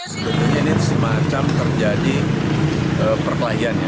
sebetulnya ini semacam terjadi perkelahian ya